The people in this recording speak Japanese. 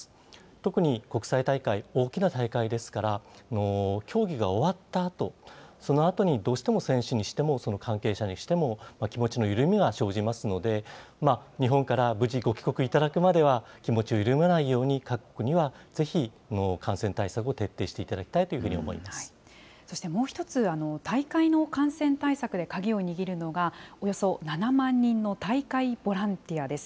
特に国際大会、大きな大会ですから、競技が終わったあと、そのあとに、どうしても選手にしても関係者にしても、気持ちの緩みが生じますので、日本から無事ご帰国いただくまでは、気持ちを緩めないように、各国にはぜひ、感染対策を徹底していただきたいというふうに思いまそしてもう１つ、大会の感染対策で鍵を握るのが、およそ７万人の大会ボランティアです。